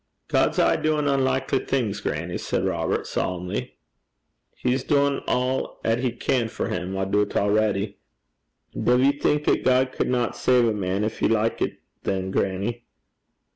'God's aye doin' unlikly things, grannie,' said Robert, solemnly. 'He's dune a' 'at he can for him, I doobt, already.' 'Duv ye think 'at God cudna save a man gin he liket, than, grannie?'